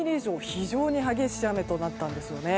非常に激しい雨となったんです。